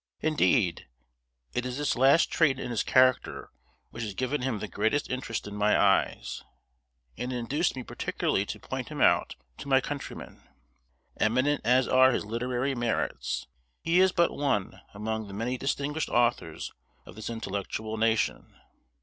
Indeed, it is this last trait in his character which has given him the greatest interest in my eyes, and induced me particularly to point him out to my countrymen. Eminent as are his literary merits, he is but one among the many distinguished authors of this intellectual nation.